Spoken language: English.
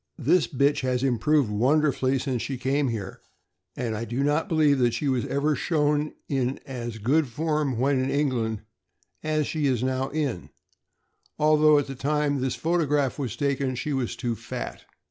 This bitch has improved wonderfully since she came here, and I do not believe that she was ever shown in as good form when in England as she is now in, although at the time this photograph was taken she was too fat.